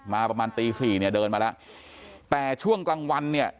ประมาณตีสี่เนี่ยเดินมาแล้วแต่ช่วงกลางวันเนี่ย